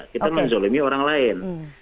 kita menzalimi orang lain